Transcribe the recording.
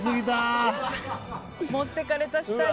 持ってかれた、下に。